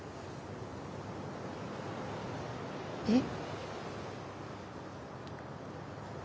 えっ？